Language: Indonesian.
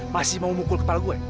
masih mau mukul kepala gue